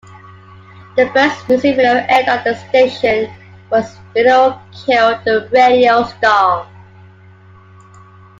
The first music video aired on the station, was "Video Killed the Radio Star".